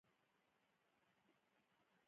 تعزیه یو ډول مذهبي ننداره ده.